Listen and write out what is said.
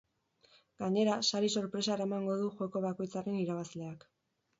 Gainera, sari sorpresa eramango du joko bakoitzaren irabazleak.